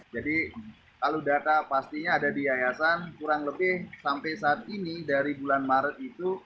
jadi kalau data pastinya ada di yayasan kurang lebih sampai saat ini dari bulan maret itu